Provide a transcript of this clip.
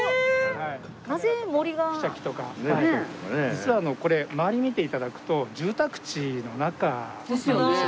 実はこれ周りを見て頂くと住宅地の中なんですよ。